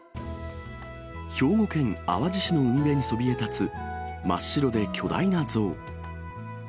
兵庫県淡路市の海辺にそびえ立つ、真っ白で巨大な像。